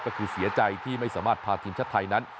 ก็คือเสียใจที่ไม่สามารถพาทีมชาติไทยนั้น